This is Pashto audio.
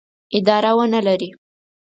اداره ونه لري.